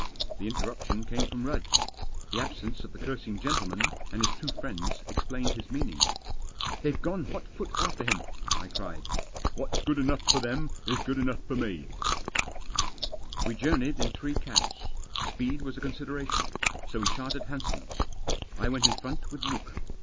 The interruption came from Rudd. The absence of the cursing gentleman, and his two friends, ex plained his meaning. "They've gone hot foot after him," I cried. "What's good enough for them is good enough for me 1" We journeyed in three cabs. Speed was a con sideration. So we chartered hansoms. I went in front with Luke.